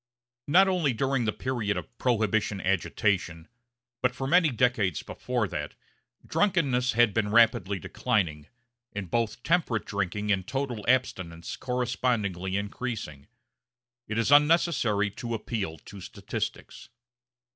Not only during the period of Prohibition agitation, but for many decades before that, drunkenness had been rapidly declining, and both temperate drinking and total abstinence correspondingly increasing. It is unnecessary to appeal to statistics.